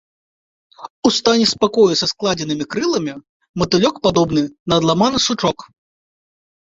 У стане спакою са складзенымі крыламі, матылёк падобны на адламаны сучок.